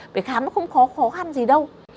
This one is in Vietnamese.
vì khám nó không khó khăn gì đâu